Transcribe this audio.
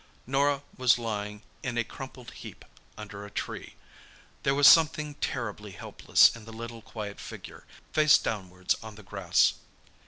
Norah was lying in a crumpled heap under a tree. There was something terribly helpless in the little, quiet figure, face downwards, on the grass.